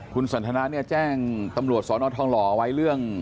คุณสันทนาเนี่ยแจ้งตำรวจสอนอทองหล่อไว้เรื่อง